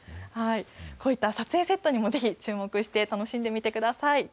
こういった撮影セットにも、ぜひ注目して、楽しんで見てください。